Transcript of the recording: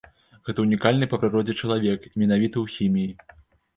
Гэта ўнікальны па прыродзе чалавек, і менавіта ў хіміі.